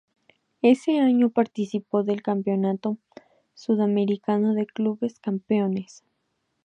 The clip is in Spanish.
Ese año participó del Campeonato Sudamericano de Clubes Campeones.